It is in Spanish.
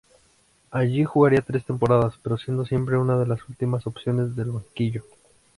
Allí jugaría tres temporadas, pero siendo siempre una de las últimas opciones del banquillo.